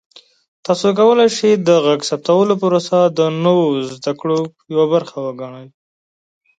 تاسو کولی شئ د غږ ثبتولو پروسه د نوو زده کړو یوه برخه وګڼئ.